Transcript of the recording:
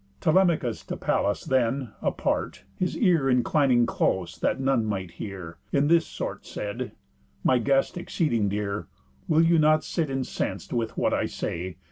Telemachus to Pallas then (apart, His ear inclining close, that none might hear) In this sort said: "My guest, exceeding dear, Will you not sit incens'd with what I say?